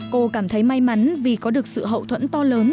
cô cảm thấy may mắn vì có được sự hậu thuẫn to lớn